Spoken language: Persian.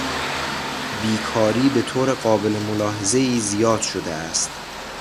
بیکاری به طور قابل ملاحظهای زیاد شده است.